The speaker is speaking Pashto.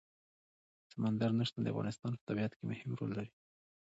سمندر نه شتون د افغانستان په طبیعت کې مهم رول لري.